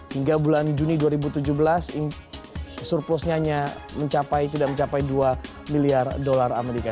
hingga bulan juni dua ribu tujuh belas surplusnya hanya mencapai dua miliar dolar amerika